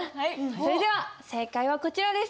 それでは正解はこちらです！